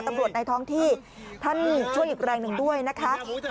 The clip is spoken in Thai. ในท้องที่ท่านช่วยอีกแรงหนึ่งด้วยนะคะ